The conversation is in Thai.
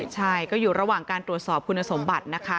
ใช่ก็อยู่ระหว่างการตรวจสอบคุณสมบัตินะคะ